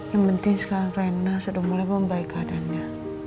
yang penting sekarang raina sudah mulai membaik keadaannya